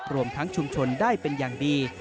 รวมทั้งชุมชนได้เป็นอย่างดี